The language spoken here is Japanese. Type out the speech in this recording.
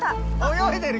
泳いでる！